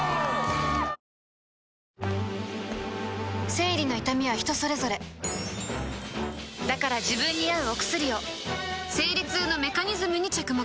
生理の痛みは人それぞれだから自分に合うお薬を生理痛のメカニズムに着目